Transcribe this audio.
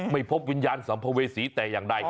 ไม่พบวิญญาณสัมภเวษีแต่อย่างใด